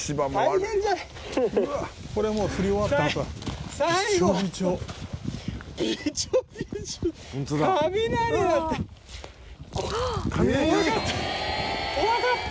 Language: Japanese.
「これはもう降り終わったあとだ」怖かった！